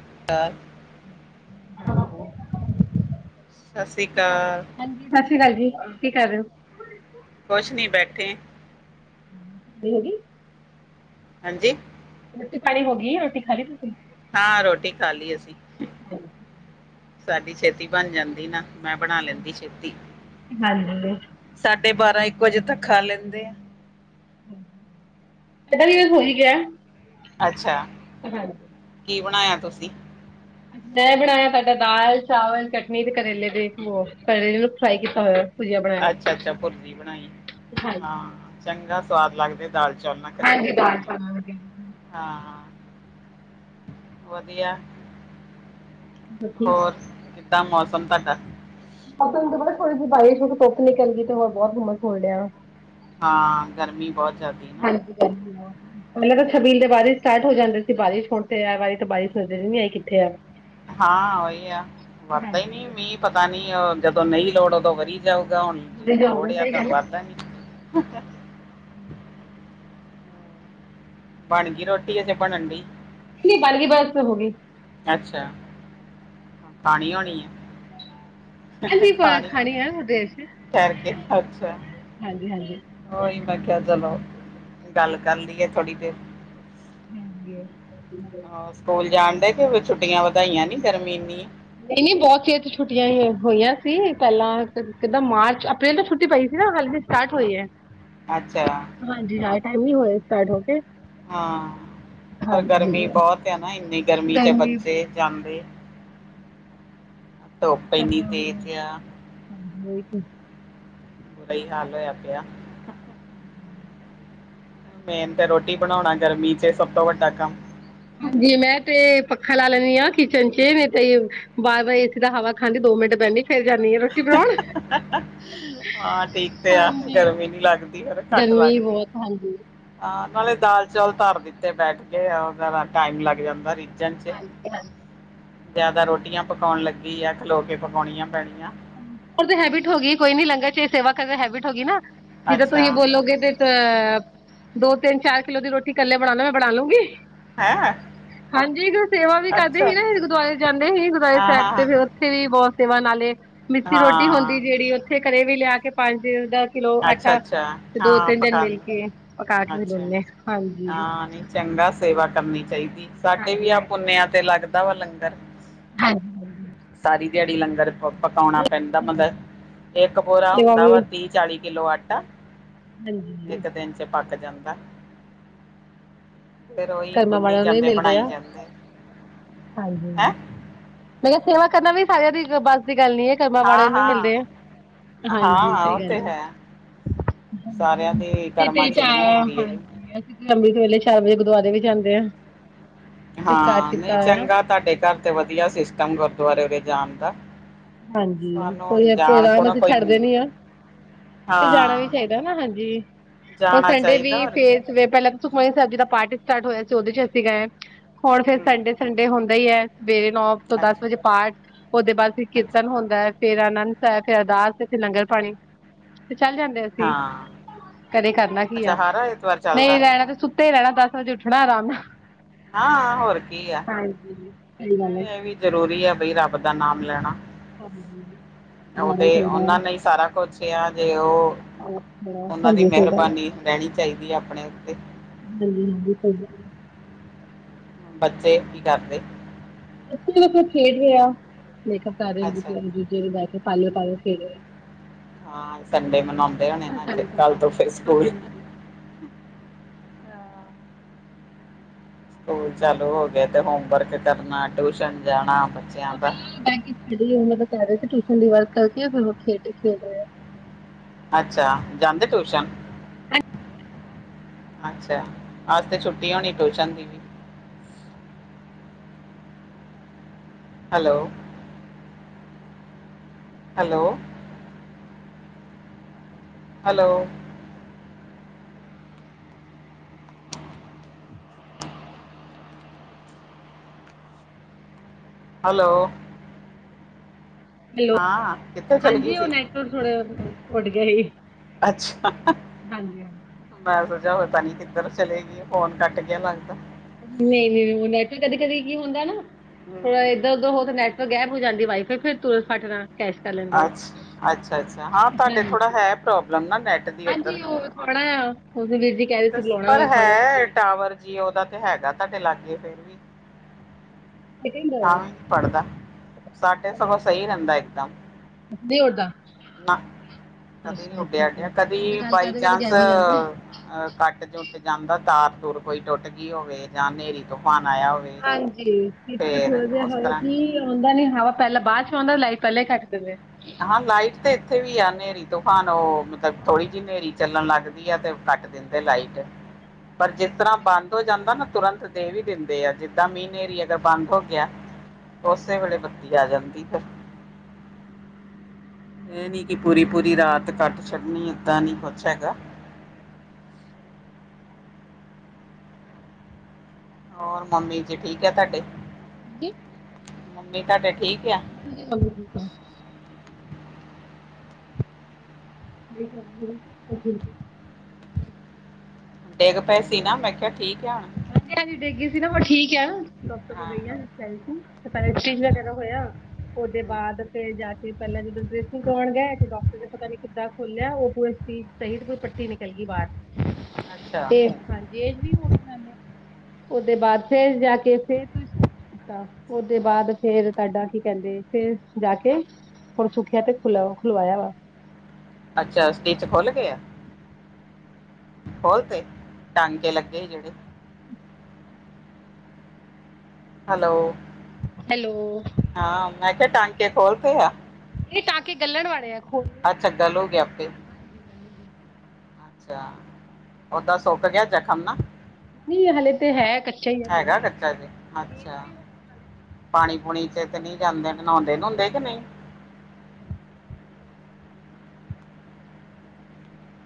[unintelligible] ਸਤਿ ਸ੍ਰੀ ਕਰ ਅਕਾਲ ਹਾਂਜੀ। ਸਤਿ ਸ੍ਰੀ ਅਕਾਲ ਜੀ ਕੀ ਕਰ ਰਹੇ ਹੋ। ਕੁਛ ਨੀ ਬੈਠੇ ਹੋ ਹਾਂਜੀ। ਰੋਟੀ ਪਾਣੀ ਹੋ ਗਈ ਏ ।ਰੋਟੀ ਖਾਲੀ ਹਾਂ, ਰੋਟੀ ਖਾ ਲਈ ਅਸੀਂ ।ਸਾਡੀ ਛੇਤੀ ਬਣ ਜਾਂਦੀ ਨਾ। ਮੈਂ ਬਣਾ ਲੈਂਦੀ ਹਾਂਜੀ ਛੇਤੀ ਸਾਡਾ ।ਸਾਡੇ ਬਰ ਇੱਕੋ ਵਜੇ ਤੱਕ ਖਾ ਲੈਂਦੇ ਆ। ਪਤਾ ਕਿਵੇ ਹੋ ਹੀ ਗਿਆ। ਅੱਛਾ। ਹਾਂਜੀ ਕੀ ਬਣਾਇਆ ਤੁਸੀ? ਮੈਂ ਬਣਾਇਆ, ਤੁਹਾਡਾ ਦਾਲ, ਚਾਵਲ, ਚਟਨੀ ਤੇ ਕਰੇਲੇ ਦੇ ਉਹ ਕਰੇਲੇ ਨੂੰ ਫਰਾਈ ਕੀਤਾ ਹੋਇਆ। ਭੁਜੀਆ ਬਣਾਇਆ। ਅੱਛਾ-ਅੱਛਾ ਭੁਰਜੀ ਬਣਾਈ, ਹਾਂ ਚੰਗਾ ਸਵਾਦ ਲੱਗਦੇ, ਦਾਲ ਚ ਝੋਨਾ ਕਰੇਲੇ ਭੁੰਨੇ ਆ ਹਾਂ। ਵਧੀਆ। ਤੂੰ ਠੀਕ ਏ। ਤਾਂ ਮੌਸਮ ਤਾਡਾ, ਮ ਪਤਾ ਥੋੜੀ ਜੀ ਬਿਸ਼ ਧੁੱਪ ਨਿਕਲ ਗਈ, ਤੇ ਹੋਰ ਬਹੁਤ ਘੁੰਮਸ ਹੋਣ ਡਿਆ ਆ। ਹਾਂ ਗਰਮੀ ਬਹੁਤ ਜ਼ਿਆਦੀ ਨਾ ਹਾਂਜੀ ਕਹਿੰਦੀ, ਪਹਿਲਾਂ ਤਾਂ ਛਬੀਲ ਦੇ ਬਾਰਿਸ਼ ਸਟਾਰਟ ਹੋ ਜਾਂਦੇ ਸੀ, ਬਾਰਿਸ਼ ਹੋਣ ਤੇ ਆ ਵਾਰੀ ਤਾਂ, ਬਾਰਿਸ਼ ਨਜ਼ਰ ਹੀ ਨਹੀਂ ਆਈ ਕਿੱਥੇ ਆ? ਹਾਂ, ਉਹੀ ਆ ਵਰਦਾ ਹੀ ਨਹੀ, ਹਾਂਜੀ ਹੋ ਮੀਂਹ ਪਤਾ ਨੀ, ਜਦੋਂ ਨਹੀਂ ਲੋੜ ਉਦੋਂ ਵਰੀ ਜਾਊਗਾ, ਹੁਣ ਲੋੜ ਗਈ ਆ ਸਹੀ ਹੁਣ ਗੱਲ ਵਰਣ ਬਣਗੀ ਰੋਟੀ, ਅਜੇ ਬਣ ਡਈ ਨਿ ਬਾਲੀ ਬਾਜ਼ ਤੇ ਹੋ ਗਈ। ਅੱਛਾ ਖਾਣੀ ਹੋਣੀ ਆ। ਹਾਂਜੀ ਪਾਣੀ ਖਾਣੀ ਹੈ ਵਿਦੇਸ਼ ਠਹਿਰ ਕੇ, ਅੱਛਾ। ਹਾਂਜੀ ਹਾਂਜੀ ਉਹੀ ਮੈਂ ਕਿਹਾ ਚਲੋ, ਗੱਲ ਕਰ ਲਈਏ ਥੋੜੀ ਦੇਰ। ਹਾਂਜੀ [unintelligible] ਹਾ, ਸਕੂਲ ਜਾਣ ਦੇ ਕਿ ਛੁੱਟੀਆਂ ਵਧਾਈਆਂ ਨੀ। ਨਹੀਂ-ਨਹੀਂ ਬਹੁਤ ਚਿਰ ਤੋ ਛੁੱਟੀਆਂ ਈ ਐ। ਹੋਈਆਂ ਸੀ, ਪਹਿਲਾਂ ਕਿੱਦਾਂ ਹੈ। ਮਾਰਚ ਅਪ੍ਰੈਲ ਤੋਂ ਛੁੱਟੀ ਪਈ ਸੀ, ਨਾ ਹਾਲ ਦੀ ਸਟਾਰਟ ਹੋਈ ਹੈ। ਅੱਛਾ, ਐਮ ਹੀ ਹੋਏ ਸਟਾਰਟ ਹੋ ਕੇ, ਹਾਂ, ਪਰ ਹਾਂਜੀ ਗਰਮੀ ਬਹੁਤ ਆ ਨਾ ਇੰਨੀ ਗਰਮੀ ਚ ਬੱਚੇ ਜਾਂਦੇ। ਧੋਪ ਇੰਨੀ ਤੇਜ ਆ। ਬੁਰਾ ਹੀ ਹਾਲ ਹੋਇਆ ਪਿਆ [unintelligible] ਹੂੰ, ਮੇਨ ਤੇ ਰੋਟੀ ਬਣਾਣਾ ਗਰਮੀ ਚ, ਸਭ ਤੋਂ ਵੱਡਾ ਕੰਮ। ਹਾਂਜੀ ਮੈਂ ਤੇ, ਪੱਖਾ ਲਾ ਲੈਂਦੀ ਆ ਕਿਚਨ ਚ ਨਹੀਂ ਤਾਂ ਬਾਰ-ਬਾਰ ਏਸੀ ਦਾ ਹਵਾ ਖਾਂਦੀ ਦੋ ਮਿੰਟ ਬਹਿੰਦੀ ਜਾਂਦੀ ਆ ਰੋਟੀ ਬਣਾਣ ਹਾਂ ਠੀਕ ਤੇ ਆ ਹਾਂਜੀ। ਗਰਮੀ ਨੀ ਲੱਗਦੀ ਐ, ਘੱਟ ਗਰਮੀ ਲੱਗਦੀ ਬਹੁਤ ਹਾਂਜੀ। ਹਾਂ ਨਾਲੇ ਦਾਲ-ਚੌਲ ਧਰ ਦਿੱਤੇ ਬੈਠ ਕੇ ਟਾਈਮ ਲੱਗ ਜਾਂਦਾ ਰੀ ਹਾਂਜੀ ਹਾਂ ਜਿਆਦਾ ਰੋਟੀਆਂ ਪਕਾਣ ਲੱਗੀ ਆ ਖਲੋ ਕੇ ਪਕਾਣੀਆਂ ਪੈਣੀਆਂ ਉਹ ਤਾਂ ਹੈਬਿਟ ਹੋ ਗਈ, ਕੋਈ ਨੀ ਲੰਗਰ ਚ ਇਹ ਸੇਵਾ ਕਰ ਹੈਬਿਟ ਹੋ ਗਈ ਨਾ ਜਿੱਦਾਂ ਅੱਛਾ ਤੁਸੀਂ ਬੋਲੋਗੇ ਤੇ ਅ ਦੋ ਤਿੰਨ ਚਾਰ ਕਿਲੋ ਦੀ ਰੋਟੀ ਇਕੱਲੇ ਬਣਾਨਣਾ, ਮੈਂ ਬਣਾ ਲੂੰਗੀ ਹੈਂ, ਹਾਂਜੀ ਸੇਵਾ ਵੀ ਕਰਦੇ ਅੱਛਾ ਸੀ, ਨਾ ਗੁਰਦੁਆਰੇ ਜਾਂਦੇ ਸੀ, ਗੁਰਦੁਆਰੇ ਹਾਂ ਸਾਹਿਬ ਹਾਂ ਤੇ ਹਾਂ ਫੇਰ ਉੱਥੇ ਵੀ ਬਹੁਤ ਸੇਵਾ ਨਾਲ ਮਿਸੀ ਰੋਟੀ ਹੁੰਦੀ ਹਾਂ ਜਿਹੜੀ, ਉੱਥੇ ਘਰੇ ਵੀ ਲਿਆ ਕੇ ਪੰਜ ਦਾ ਕਿਲੋ ਅੱਛਾ ਆਟਾ ਅੱਛਾ ਤੇ ਦੋ ਹਾਂ ਤਿੰਨ ਦਿਨ ਪਕਾਨ ਮਿਲ ਕੇ ਪਕਾ ਕੇ ਵੀ ਅੱਛਾ ਦੇ ਹਾਂਜੀ ਹਾਂ ਨਹੀਂ ਚੰਗਾ ਸੇਵਾ ਕਰਨੀ ਚਾਹੀਦੀ, ਸਾਡੇ ਵੀ ਹਾਂਜੀ ਆਹ ਪੁੁੰਨਿਆ ਤੇ ਲੱਗਦਾ ਵਾ ਲੰਗਰ ਹਾਂਜੀ-ਹਾਂਜੀ, ਸਾਰੀ ਦਿਹਾੜੀ ਲੰਗਰ ਪਕਾਣਾ ਪੈਂਦਾ, ਮਤਲਬ ਇੱਕ ਪੋਰਾ ਸੇਵਾ ਹੁੰਦਾ ਵੀ ਵਾ ਤੀਹ ਚਾਲੀ ਕਿਲੋ ਆਟਾ ਹਾਂਜੀ ਇੱਕ ਦਿਨ 'ਚ ਪੱਕ ਜਾਂਦਾ। ਫੇਰ ਉਹੀ ਕਰਮਾਂ ਗੁੰਨੀ ਜਾਂਦੇ ਬਣਾਈ ਜਾਂਦੇ ਹਾਂਜੀ ਹੈਂ ਮੈਂ ਕਿਹਾ ਸੇਵਾ ਕਰਨਾ, ਵੀ ਸਾਰਿਆਂ ਦੀ ਬੱਸ ਦੀ ਗੱਲ ਨੀ ਹੈ ਕਰਮਾਂ ਵਾਲੇ ਹਾਂ ਨੂੰ ਵੀ ਹਾਂ ਮਿਲਦੇ ਆ, ਹਾਂ ਹਾਂਜੀ ਹਾਂ ਉਹ ਸਹੀ ਗੱਲ ਤੇ ਹੈ ਹ ਸਾਰਿਆਂ ਦੇ ਕਰਮਾਂ ਤੇ ਚ ਨਹੀਂ ਚਾਰ ਹੁੰਦੀ ਇਹ ਵੀ ਹਾਂਜੀ, ਅਸੀ ਅੰਮ੍ਰਿਤ ਵੇਲੇ ਚਾਰ ਵਜੇ ਗੁਰਦੁਆਰੇ ਵਿੱਚ ਜਾਂਦੇ ਆ ਹਾਂ ਨਹੀਂ ਚੰਗਾ ਤੁਹਾਡੇ ਘਰ ਤੇ ਵਧੀਆ, ਸਿਸਟਮ ਗੁਰਦੁਆਰੇ ਜਾਣ ਦਾ ਹਾਂਜੀ, ਸਾਨੂੰ ਹੁਣ ਕੋਈ ਜਾਣ ਕੋ ਪ੍ਰੋਗਰਾਮ ਨਾ ਅਸੀਂ ਕੋਈ ਛੱਡ ਦੇ ਨੀ ਆ ਤੇ ਜਾਣਾ ਵੀ ਹਾਂ ਚਾਹੀਦਾ ਨਾ, ਹਾਂਜੀ। ਹੋਰ ਜਾਣਾ ਸੰਡੇ ਚਾਹੀਦਾ ਵੀ ਹੋਰ ਕੀ ਫੇ ਪਹਿਲਾਂ 'ਸੁਖਮਨੀ ਸਾਹਿਬ'ਜੀ ਦਾ ਪਾਠ ਸਟਾਰਟ ਹੋਇਆ ਸੀ। ਉਹਦੇ'ਚ ਅਸੀਂ ਗਏ ਹੁਣ ਫੇਰ ਹਮ ਸੰਡੇ-ਸੰਡੇ ਹੁੰਦਾ ਹੀ ਹੈ ਸਵੇਰੇ ਨੌ, ਤੋਂ ਦਸ ਵਜੇ ਅੱਛਾ ਪਾਠ, ਉਹਦੇ ਬਾਅਦ ਫੇਰ ਕਿਰ ਅੱਛਾ ਹੁੰਦਾ ਫੇਰ ਆਨੰਦ ਸਾਹਿਬ, ਫੇਰ ਅਰਦਾਸ ਫੇਰ ਲੰਗਰ ਪਾਣੀ ਤੇ, ਚੱਲ ਜਾਂਦੇ ਅਸੀਂ ਹਾਂ ਘਰੇ ਕਰਨਾ ਕੀ ਅੱਛਾ ਆ। ਹਰ ਐਤਵਾਰ ਨਹੀਂ ਚੱਲਦਾ ਰਹਿਣਾ ਤੇ ਸੁੱਤੇ ਹੀ ਰਹਿਣਾ ਦਸ ਵਜੇ ਉੱਠਣਾ ਆਰਾਮ ਨਾਲ ਹਾਂ, ਹੋਰ ਕੀ ਆ। ਹਾਂਜੀ ਸਹੀ ਗੱਲ ਹੈ ਨਹੀਂ, ਇਹ ਵੀ ਜਰੂਰੀ ਹੈ ਬਈ, ਰੱਬ ਦਾ ਨਾਮ ਲੈਣਾ ਹਾਂਜੀ ਉਹ ਜਾਣਾ ਤੇ, ਚਾਹੀਦਾ ਉਹਨਾਂ ਨੇ ਸਾਰਾ ਕੁਛਿਆ ਜੇ 'ਉਹ ਉਹਨਾਂ ਦੀ ਹਾਂਜੀ ਸਹੀ ਮਿਹਰਬਾਨੀ ਰਹਿਣੀ ਚਾਹੀਦੀ ਆ, ਆਪਣੇ ਉੱਤੇ। ਹ, ਹਾਂਜੀ-ਹਾਂਜੀ, ਸਹੀ ਗੱਲ ਬੱਚੇ, ਕੀ ਕਰਦੇ? ਬੱਚੇ, ਵੇਖੋ ਖੇਡ ਰਹੇ ਆ। ਮੇਕਅੱਪ ਕਰ ਰਹੇ ਅੱਛਾ ਆ, ਏਕ- ਦੂਜੇ ਨੂੰ ਲੈਕੇ। ਪਾਰਲਰ-ਪਾਰਲਰ ਖੇਡ ਰਹੇ ਆ। ਹਾਂ, ਸੰਡੇ ਮਨਾਉਂਦੇ ਹੋਣੇ ਨਾ ਏਥੇ ਕੱਲ ਤੋਂ, ਫਿਰ ਸਕੂਲ ਸਕੂਲ ਚਾਲੂ ਹੋ ਗਏ ਤੇ, ਹੋਮ ਵਰਕ ਕਰਨਾ ਟਿਊਸ਼ਨ ਹ, ਜਾਣਾ ਬੱਚਿਆਂ ਦਾ ਪਹਿਲਾ ਵਾਲਾ ਬੈਂਕ'ਚ ਕਹਿ ਰਹੇ ਸੀ! ਉਹਨਾ ਦਾ ਕਹਿ ਰਹੇ ਸੀ ਕਿ ਚੰਡੀ ਵਾਰ ਕਰਕੇ, ਫਿਰ ਉਹ ਖੇਡ-ਖੇਲ ਰਹਿਆ। ਅੱਛਾ! ਜਾਂਦੇ ਟਿਊਸ਼ਨ? ਅੱਛਾ! ਆਜ ਤੇ, ਛੁੱਟੀ ਹੋਣੀ ਟਿਊਸ਼ਨ ਦੀ ਵੀ। [inaudible] Hello! Hello! Hello! Hello! Hello! ਹਾਂ ਕਿੱਥੇ ਚਲ ਗਈ ਹਾਂਜੀ, ਉਹ ਸੀ ਨੈਟਵਰਕ ਥੋੜੇ ਉੱਡ ਗਿਆ ਸੀ ਅੱਛਾ, ਹਾਂਜੀ ਬਸ ਪਤਾਂ ਨੀ ਕਿੱਧਰ ਚਲੇਗੀ, ਫੋਨ ਕੱਟ ਗਿਆ ਲੱਗਦਾ! ਨਹੀਂ- ਨਹੀਂ- ਨਹੀਂ, ਉਹ ਨੈਟਵਰਕ ਕਦੀ- ਕਦੀ ਕੀ ਹੁੰਦਾ ਨਾ, ਹੂੰ। ਥੋੜਾ ਇੱਧਰ- ਉਧਰ ਹੋ, ਤੇ ਨੈਟਵਰਕ ਗੈਬ ਹੋ ਜਾਂਦ ਵਾਈ-ਫਾਈ ਫਿਰ [unintelligible] ਕੱਟ ਜ ਅੱਛਾ, ਅੱਛਾ-ਅੱਛਾ ਹਾਂ, ਤੁਹਾਡੇ ਥੋੜਾ ਹੈ ਪ੍ਰੋਬਲਮ ਨਾ ਨੈਟ ਦੀ ਉੱਧਰ। ਹਾਂਜੀ, ਓਹ ਥੋੜਾ ਉਸਦੇ ਵੀਰ ਜੀ ਕਹਿ ਰਹੇ ਸੀ ਬੁਲਾਉਣਾ ਪਰ ਹੋਵੇ ਥੋੜੇ ਹੈ। ਵਾਸਤੇ ਟਾਵਰ ਜੀਓ ਤੇ, ਹੈਗਾ ਤੁਹਾਡੇ ਲਾਗੇ। ਫਿਰ ਵੀ ਤਾਂ ਵੀ, ਨੀ, ਪੜਦਾ। ਸਾਡੇ ਸਗੋਂ ਸਹੀ ਰਹਿੰਦਾ ਇਹਦਾਂ। ਨਹੀਂ ਉਡਦਾ ਕਦੇ ਨੀ ਉੱਡਿਆ- ਆਡਿਆ ਕਦੇ ਕਰਦੇ ਕਰਦੇ ਬਾਈਚਾਂਸ ਗਾਇਬ ਹੋ ਜਾਂਦਾ। ਹੈ। ਕੱਟ- ਕੁੱਟ ਜਾਂਦਾ ਤਾਰ ਤਾਰ ਤੂਰ ਟੁੱਟ ਗਈ ਹੋਵੇ, ਜਾਂ, ਹਨੇਰੀ- ਤੁਫਾਨ ਹਾਂਜੀ। ਇੱਥੇ ਥੋੜਾ ਜਿਹਾ ਉਸ ਹਵਾ ਤਰ੍ਹਾਂ ਕੀ, ਆਉਂਦਾ ਨੀ ਹਵਾ ਪਹਿਲਾਂ ਬਾਅਦਯ'ਚ ਆਉਂਦਾ ਲਾਇ ਈ ਪਹਿਲਾਂ ਕੱਟ ਦੇਂਦੇ। ਹਾਂ, ਲਾਈਟ ਤੇ ਇੱਥੇ ਵੀ ਆ ਹਨੇਰੀ-ਤੂਫਾਨ 'ਉਹ ਮਤਲਬ ਥੋੜ੍ਹੀ ਜਿਹੀ ਹਨੇਰੀ ਚੱਲਣ ਲੱਗ ਤੇ, ਕੱਟ ਦਿੰਦੇ ਲਾਈਟ। ਪਰ, ਜਿਸ ਤਰ੍ਹਾਂ ਬੰਦ ਹੋ ਜਾਂਦਾ ਨਾ ਤੁਰੰਤ ਦੇ ਵੀ ਦਿੰਦੇ ਆ। ਜਿੱਦਾਂ, ਮੀਂਹ, ਹਨੇਰੀ ਅਗਰ ਬੰਦ ਹੋ ਗਿਆ ਓਸੇ ਵੇਲੇ ਬੱਤੀ ਆ ਜਾਂਦੀ ਫਿਰ! ਇਹ ਨੀ ਕਿ, ਪੂਰੀ- ਪੂਰੀ ਰਾਤ ਕੱਟ ਛੱਡਣੀ, ਏਦਾਂ ਨੀ ਕੁਛ ਹੈਗਾ। [inaudible] ਹੋਰ, ਮੰਮੀ ਜੀ, ਠੀਕ ਐ? ਤੁਹਾਡੇ। ਕੀ? ਮੰਮੀ, ਤੁਹਾਡੇ ਠੀਕ ਆ [inaudible] [inaudible] ਡੇਗ ਪਏ ਸੀ ਨਾ ਮੈਂ ਕਿਹਾ [inaudible] [inaudible] ਹਾਂ ਅੱਛਾ ਉਹਦੇ ਬਾਅਦ ਫੇਰ ਜਾ ਕੇ ਤੇ ਪਹਿਲਾਂ ਜਦੋਂ ਕਰਵਾਉਣ ਗਏ ਤੇ ਡਾਕਟਰ ਨੇ ਪਤਾ ਨੀ ਕਿੱਦਾਂ ਖੋਲਿਆ ਉਹ ਪੂਰੇ ਸਹੀ ਕੋਈ ਪੱਟੀ ਨਿਕਲ ਗਈ ਬਾਹਰ ਅੱਛਾ ਤੇ ਹਾਂਜੀ ਏਜ ਵੀ ਹੋਣਨਾਂ ਨੇ ਉਹਦੇ ਬਾਅਦ ਫੇਰ ਜਾ ਕੇ ਫਿਰ ਉਹਦੇ ਬਾਅਦ ਫੇਰ ਤੁਹਾਡਾ ਕੀ ਕਹਿੰਦੇ ਫਿਰ ਜਾ ਕੇ ਹੋਣ ਸੁਖਿਆ ਤੇ ਖੁਲਵਾਇਆ ਵਾ ਅੱਛਾ ਸਟਿਚ ਖੁੱਲ ਗਏ ਆ ਹੋਰ ਤੇ ਟਾਂਕੇ ਲੱਗੇ ਜਿਹੜੇ ਹੈਲੋ ਹੈਲੋ ਹਾਂ ਮੈਂ ਕਿਹਾ ਟਾਂਕੇ ਖੋਲ ਤੇ ਆ ਇਹ ਟਾਂਕੇ ਗੱਲਣ ਵਾਲੇ ਆ ਖੋਲਣੇ ਅੱਛਾ ਗੱਲ ਹੋ ਗਏ ਆਪੇ ਅੱਛਾ ਓਦਾਂ ਸੁੱਕ ਗਿਆ ਜਖ਼ਮ ਨਾ ਨਹੀਂ ਨਹੀਂ ਹਲੇ ਤੇ ਹੈ ਕੱਚਾ ਹੀ ਆ ਪੂਰਾ ਹੈਗਾ ਕੱਚਾ ਜ ਅੱਛਾ ਹਲੇ ਪਾਣੀ ਪੂਣੀ ਚ ਤੇ ਨਹੀਂ ਜਾਂਦੇ ਨਹਾਉਦੇ ਨੁਉਦੇ ਕਿ ਨਹੀਂ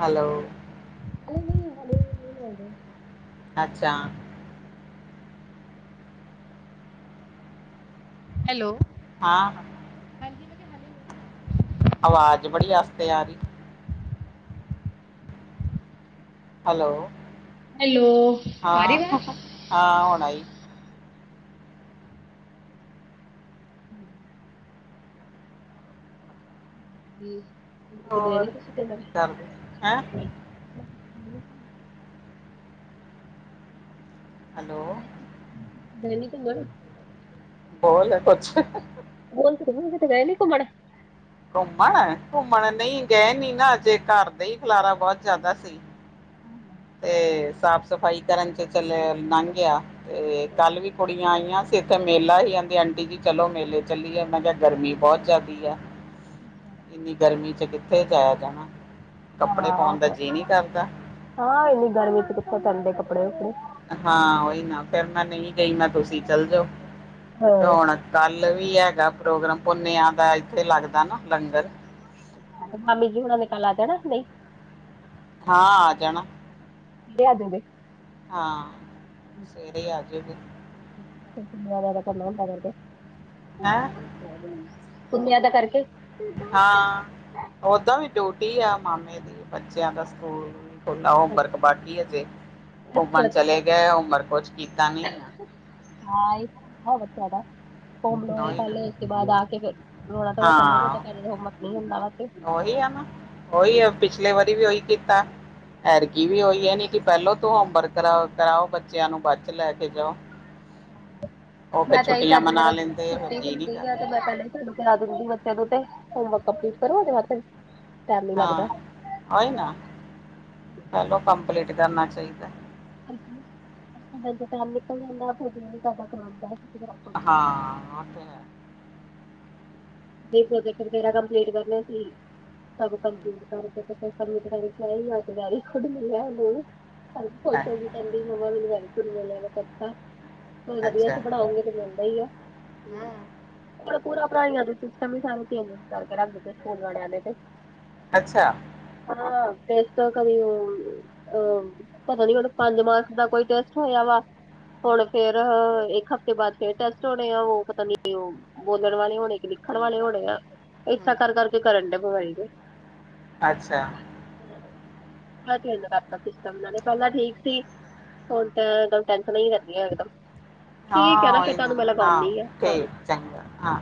ਹੈਲੋ [inaudible] ਅੱਛਾ ਹੈਲੋ ਹਾਂ ਹੱਲੇ ਨਹੀਂ। ਆਵਾਜ਼ ਬੜੀ ਆਸਤੇ ਆ ਰਹੀ ਹੈਲੋ ਹੈਲੋ ਆ ਰਹੀ ਹਾਂ ਆਵਾਜ਼ ਹਾਂ ਹੁਣ ਆਣਾਈ [inaudible] ਹੋਰ ਕੀ ਕਰਦੇ [inaudible] ਹੈਂ ਹੈਲੋ। ਹੈਲੋ ਗਏ ਨਹੀਂ ਘੁੰਮਣ। ਬੋਲ ਕੁਛ। ਮੈਂ ਤਾਂ ਇਹੀ ਕਹਿੰਦੀ ਸੀ ਕਿਤੇ ਗਏ ਨਹੀਂ ਘੁੰਮਣ। ਘੁੰਮਣ ਘੁੰਮਣ ਨਹੀਂ ਗਏ ਨੀ ਨਾ ਅਜੇ ਘਰ ਦਾ ਹੀ ਖੁਲਾਰਾ ਬਹੁਤ ਜ਼ਿਆਦਾ ਸੀ। ਤੇ ਸਾਫ਼ ਸਫ਼ਾਈ ਕਰਨ 'ਚ ਚੱਲ ਲੰਘ ਗਿਆ ਤੇ ਕੱਲ ਵੀ ਕੁੜੀਆਂ ਆਈਆਂ। ਇੱਥੇ ਇੱਕ ਮੇਲਾ ਸੀ ਆਉਂਦੇ ਆਂਟੀ ਜੀ ਚਲੋ ਮੇਲੇ ਚੱਲੀ ਮੈਂ ਕਿਹਾ ਗਰਮੀ ਬਹੁਤ ਜ਼ਿਆਦਾ ਆ। ਇੰਨੀ ਗਰਮੀ 'ਚ ਕਿੱਥੇ ਜਾਇਆ ਜਾਣਾ। ਕੱਪੜੇ ਹਾਂ ਪਾਉਣ ਦਾ ਜੀਅ ਨਹੀਂ ਕਰਦਾ । ਨਹੀਂ ਗਰਮੀ ਚ ਕਿੱਥੇ ਚੱਲਦੇ ਕੱਪੜੇ ਇੱਥੇ। ਹਾਂ ਉਹੀ ਨਾ ਫੇਰ ਮੈਂ ਨਹੀਂ ਗਈ ਮੈਂ ਕਿਹਾ ਤੁਸੀਂ ਚੱਲ ਜਾਓ। ਤੇ ਹਾਂ ਹੁਣ ਕੱਲ ਵੀ ਹੈਗਾ ਪ੍ਰੋਗਰਾਮ ਪੁੰਨਿਆਂ ਦਾ ਇੱਥੇ ਲੱਗਦਾ ਨਾ ਲੰਗਰ। ਹਾਂ ਮਾਮੀ ਜੀ ਹੋਰਾਂ ਨੇ ਕੱਲ ਆ ਜਾਣਾ ਨਹੀਂ। ਹਾਂ ਆ ਜਾਣਾ। ਲਿਆ ਦਿੰਦੇ। ਹਾਂ ਸਵੇਰੇ ਆਜੇ ਗੀ। ਪੁੰਨਿਆਂ ਦਾ ਕਰਕੇ। ਹਾਂ ਓਦਾਂ ਵੀ ਡਿਊਟੀ ਆ ਮਾਮੇ ਦੀ ਬੱਚਿਆਂ ਦਾ ਸਕੂਲ। ਖੁੱਲਾ ਉਹ ਅੱਛਾ ਬਰਕਬਠੀ ਅਜੇ। ਅੱਛਾ ਘੁੰਮਣ ਅੱਛਾ ਚਲੇ ਗਏ ਉਮਰ ਕੁਛ ਕੀਤਾ ਨਹੀਂ ਆ। ਹਾਂ ਇਹੀ ਹੋਰ ਵਧੀਆ। ਹੋਮ ਤੋਂ ਇਹ ਉਹੀ ਨਾ ਕੱਲ ਇਸ ਤੋਂ ਬਾਅਦ ਆ ਕੇ ਫਿਰ। ਰੌਲਾ ਧੋਲਾ ਸਾਨੂੰ ਵੀ ਤੁਹਾਡੇ ਹਾਂ ਕੰਮ ਤੇ ਲਾਕੇ। ਡਿਲੀਵਰੀ ਵੀ ਉਹੀ ਕੀਤਾ। ਐਤਕੀ ਵੀ ਉਹੀ ਉਹਨੇ ਕਿ ਪਹਿਲੋਂ ਤੂੰ ਹੋਮਵਰਕ ਕਰਾ ਕਰਾਓ ਬੱਚਿਆਂ ਨੂੰ ਬਾਅਦ 'ਚ ਲੈ ਕੇ ਜਾਓ। ਉਹ ਮੈਂ ਫਿਰ ਤੇ ਇਹੀ ਛੁੱਟੀਆਂ ਕਰਦੀ ਮਨਾ ਫਿਰ ਲੈਂਦੇ ਆ ਫਿਰ ਛੁੱਟੀ ਜੀਅ ਨੀ ਹੁੰਦੀ ਆ ਕਰਦਾ ਤੇ ਮੈਂ ਪਹਿਲਾਂ ਹੀ ਤੁਹਾਨੂੰ। ਕਰਾ ਦਿੰਦੀ ਬੱਚਿਆਂ ਤੋਂ ਉੱਤੇ ਹੋਮਵਰਕ ਕੰਮਪਲੀਟ ਕਰੋ। ਉਹ ਦੇ ਬਾਅਦ ਫਿਰ। ਟਾਈਮ ਨੀ ਹਾਂ ਲੱਗਦਾ ਉਹੀ ਨਾ ਪਹਿਲੋ ਕੰਪਲੀਟ ਕਰਨਾ ਚਾਹੀਦਾ ਹੈ। ਹਾਂਜੀ ਫੇਰ ਬੱਚਿਆਂ ਦਾ ਟਾਈਮ ਨਿਕਲ ਜਾਂਦਾ ਕੁਝ ਜੀਅ ਨਹੀਂ ਕਰਦਾ ਖਾਣ ਦਾ। ਹਾਂ ਆਹ ਤੇ ਹੈ। ਜੀ ਪ੍ਰੋਜੈਕਟ ਵਗੈਰਾ ਕੰਪਲੀਟ ਕਰਨੇ ਸੀ। ਸਭ ਕੰਪਲੀਟ ਕਰਕੇ ਤੇ ਫਿਰ ਸਾਨੂੰ ਇੱਕ ਕਰਕੇ ਅਰਜ਼ੀ ਖੁਦ ਨਹੀਂ ਹੈ ਉਹ ਨੂੰ। ਸਾਨੂੰ ਹੈ ਖੁਸ਼ ਹੋ ਕੇ ਕਹਿੰਦੀ ਮੰਮਾ ਮੈਨੂੰ ਵਰਕ ਮਿਲਿਆ ਮੈਂ ਕਰਤਾ। ਹੋਰ ਵਧੀਆ ਅੱਛਾ ਤੁਸੀਂ ਬਣਾਓਗੇ ਤੇ ਮਿਲਦਾ ਹੀ ਆ। ਹੂੰ, ਹੁਣ ਤੇ ਪੂਰਾ ਪੜ੍ਹਾਇਆ ਦੇ ਸਿਸਟਮ ਹੀ ਸਾਰੇ ਚੇਂਜ ਕਰਕੇ ਰੱਖ ਦਿੱਤੇ ਸਕੂਲ ਵਾਲਿਆਂ ਨੇ ਤੇ। ਅੱਛਾ ਹਾਂ ਸਿਸਟਮ ਕਮੀ ਹੋਊਗੀ। ਹੂੰ ਪਤਾ ਨੀ ਹੁਣ ਪੰਜ ਮਾਰਚ ਦਾ ਕੋਈ ਟੈਸਟ ਹੋਇਆ ਵਾ। ਹੁਣ ਫੇਰ ਇੱਕ ਹਫਤੇ ਬਾਅਦ ਫੇਰ ਟੈਸਟ ਹੋਣੇ ਆ ਉਹ ਪਤਾ ਨੀ ਉਹ। ਬੋਲਣ ਵਾਲੇ ਹੋਣੇ ਕਿ ਲਿਖਣ ਵਾਲੇ ਹੋਣੇ ਆ ਏ ਤਾਂ ਕਰ ਕਰਕੇ ਕਰਨ ਡੇ ਬਿਮਾਰੀ ਦੇ। ਅੱਛਾ। ਹੁਣ ਚੇਂਜ ਕਰਤਾ ਸਿਸਟਮ ਇਹਨਾ ਨੇ ਪਹਿਲਾਂ ਠੀਕ ਸੀ। ਹੁਣ ਤਾਂ ਕੰਨਟੈਕਟ ਨਾਲ ਹੀ ਰਹਿੰਦੀ ਆ ਇਨਕਮ। ਹਾਂ ਉਹੀ ਨਾ ਹਾਂ ਕੋਲ ਠੀਕ ਚੰਗਾ ਹਾਂ।